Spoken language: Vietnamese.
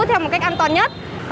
theo một cách an toàn nhất